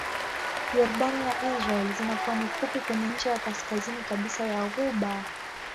Yordani na Israel zina pwani fupi kwenye ncha ya kaskazini kabisa ya ghuba.